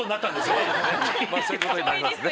まぁそういうことになりますね。